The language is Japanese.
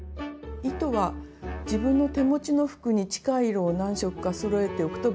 糸は自分の手持ちの服に近い色を何色かそろえておくと便利です。